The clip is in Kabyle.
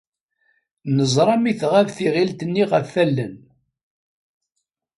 Neẓra mi tɣab tiɣilt-nni ɣef allen.